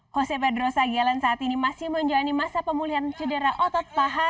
jose pedro sagialan saat ini masih menjalani masa pemulihan cedera otot paha